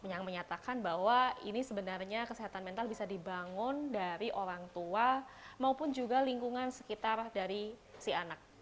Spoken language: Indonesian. yang menyatakan bahwa ini sebenarnya kesehatan mental bisa dibangun dari orang tua maupun juga lingkungan sekitar dari si anak